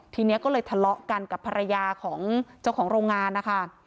ทีนี้ก็เลยทะเลาะกันกับภรรยาของเจ้าของโรงงานนะคะ